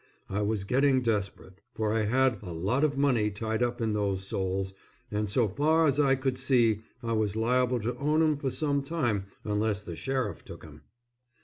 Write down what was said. I was getting desperate, for I had a lot of money tied up in those soles, and so far as I could see I was liable to own 'em for some time unless the sheriff took 'em.